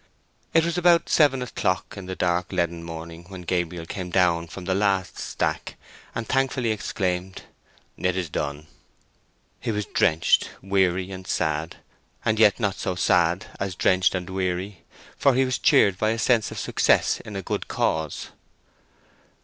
It was about seven o'clock in the dark leaden morning when Gabriel came down from the last stack, and thankfully exclaimed, "It is done!" He was drenched, weary, and sad, and yet not so sad as drenched and weary, for he was cheered by a sense of success in a good cause.